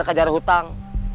saya kejar hutang